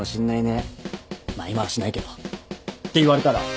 「まあ今はしないけど」って言われたら。